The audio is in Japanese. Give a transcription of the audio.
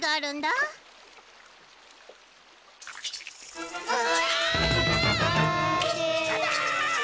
うわ！